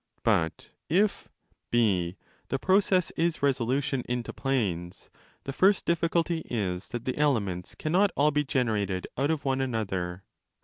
But if 306% (4) the process is resolution into planes, the first difficulty is that the elements cannot all be generated out of one another.